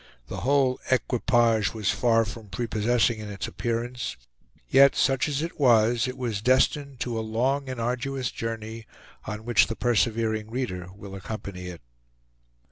The whole equipage was far from prepossessing in its appearance; yet, such as it was, it was destined to a long and arduous journey, on which the persevering reader will accompany it.